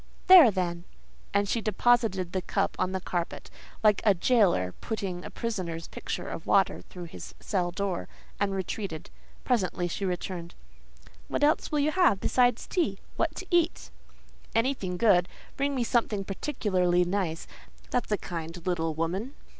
"There, then." And she deposited the cup on the carpet, like a jailor putting a prisoner's pitcher of water through his cell door, and retreated. Presently she returned. "What will you have besides tea—what to eat?" "Anything good. Bring me something particularly nice; that's a kind little woman."